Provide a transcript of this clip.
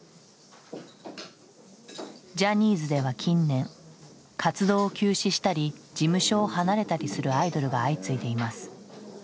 ジャニーズでは近年活動を休止したり事務所を離れたりするアイドルが相次いでいます。